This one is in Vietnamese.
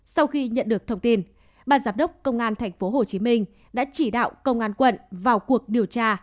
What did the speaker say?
sau khi nhận được thông tin ban giám đốc công an tp hcm đã chỉ đạo công an quận vào cuộc điều tra